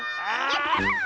やった！